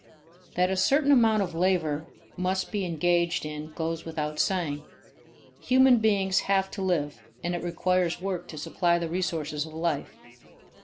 That a certain amount of labor must be engaged in goes without saying. Human beings have to live and it requires work to supply the resources of life.